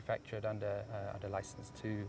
tapi mereka diluncurkan